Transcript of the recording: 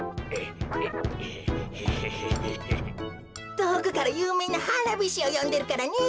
とおくからゆうめいなはなびしをよんでるからね。